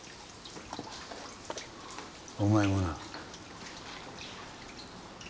お前もな。